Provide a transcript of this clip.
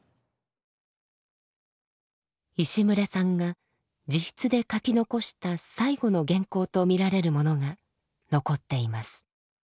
石牟礼さんが自筆で書き残した最後の原稿とみられるものが残っています。